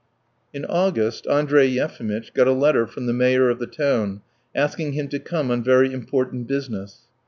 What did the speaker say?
In August Andrey Yefimitch got a letter from the mayor of the town asking him to come on very important business.